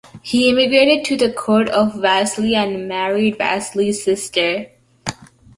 He immigrated to the court of Vasily I and married Vasily's sister.